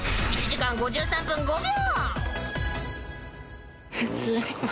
［１時間５３分３０秒］